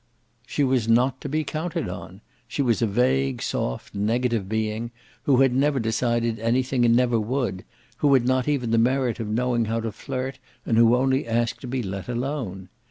She was not to be counted on; she was a vague soft negative being who had never decided anything and never would, who had not even the merit of knowing how to flirt and who only asked to be let alone.